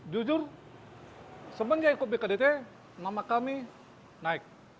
jujur semenjak ikut bkdt nama kami naik